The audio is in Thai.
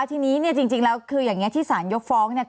ทีนี้เนี่ยจริงแล้วคืออย่างนี้ที่สารยกฟ้องเนี่ย